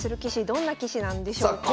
どんな棋士なんでしょうか。